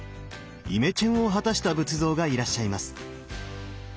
イメチェンを果たした仏像がいらっしゃいます。